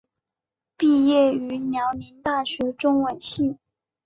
毕业于辽宁大学中文系。